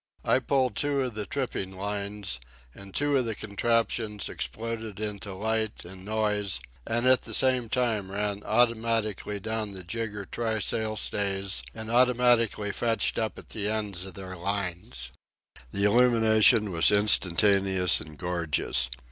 I pulled two of the tripping lines, and two of the contraptions exploded into light and noise and at the same time ran automatically down the jigger trysail stays, and automatically fetched up at the ends of their lines. The illumination was instantaneous and gorgeous.